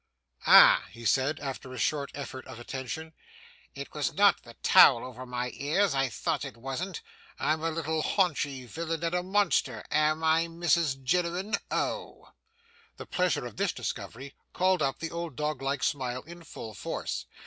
'Ah!' he said after a short effort of attention, 'it was not the towel over my ears, I thought it wasn't. I'm a little hunchy villain and a monster, am I, Mrs Jiniwin? Oh!' The pleasure of this discovery called up the old doglike smile in full force.